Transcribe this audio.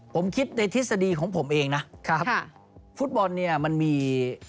ผมคิดในทฤษฎีของผมเองนะครับค่ะฟุตบอลเนี่ยมันมี